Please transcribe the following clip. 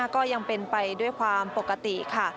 ก็ยังเป็นไปด้วยความปกติค่ะ